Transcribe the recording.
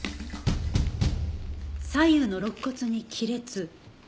左右の肋骨に亀裂。